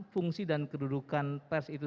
fungsi dan kedudukan pers itu